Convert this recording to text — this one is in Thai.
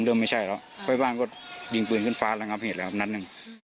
เริ่มไม่ใช่แล้วผู้ใหญ่บ้านก็ดิงปืนขึ้นฟ้าแล้วงับเหตุแล้วนั้นหนึ่ง